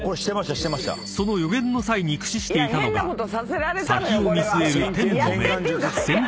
［その予言の際に駆使していたのが先を見据える天の眼］